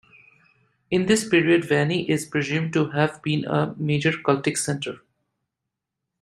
In this period Vani is presumed to have been a major cultic centre.